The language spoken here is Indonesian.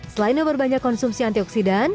selain memperbanyak konsumsi antioksidan